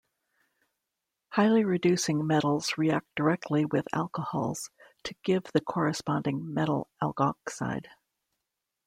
Highly reducing metals react directly with alcohols to give the corresponding metal alkoxide.